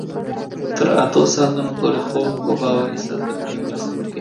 تر اتو ساعتونو پورې خوب په باور ساتلو کې مرسته کوي.